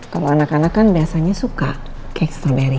kalau anak anak kan biasanya suka cake stroberi ya